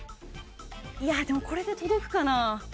いや、でもこれで届くかな。